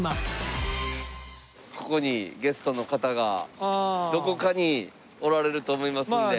ここにゲストの方がどこかにおられると思いますんで。